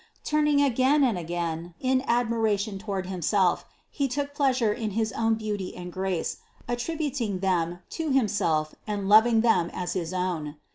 Turning again and again in admiration toward himself, he took pleasure in his own beauty and grace, attributing them to himself and loving them' as his own.